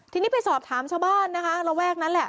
ทีนี้ไปสอบถามชาวบ้านนะคะระแวกนั้นแหละ